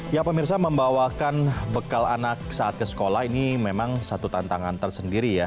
ya pemirsa membawakan bekal anak saat ke sekolah ini memang satu tantangan tersendiri ya